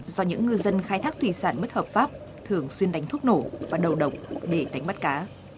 do những ngư dân khai thác thủy sản bất hợp pháp thường xuyên đánh thuốc nổ và đầu độc để đánh bắt cá